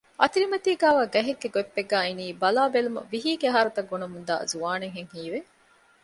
އަތިރިމަތީގައިވާ ގަހެއްގެ ގޮތްޕެއްގައި އިނީ ބަލާބެލުމަށް ވިހީގެ އަހަރުތައް ގުނަމުންދާ ޒުވާނެއްހެން ހީވެ